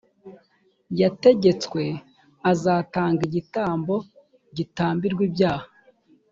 yategetswe azatanga igitambo gitambirwa ibyaha